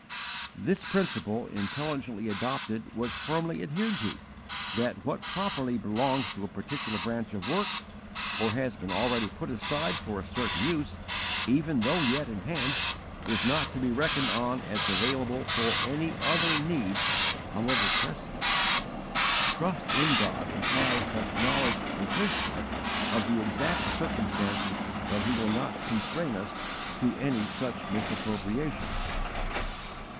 This principle, intelligently adopted, was firmly adhered to, that what properly belongs to a particular branch of work, or has been already put aside for a certain use, even though yet in hand, is not to be reckoned on as available for any other need, however pressing. Trust in God implies such knowledge on His part of the exact circumstances that He will not constrain us to any such misappropriation.